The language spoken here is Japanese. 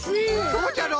そうじゃろ？